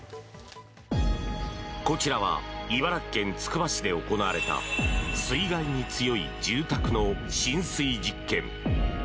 こちらは茨城県つくば市で行われた水害に強い住宅の浸水実験。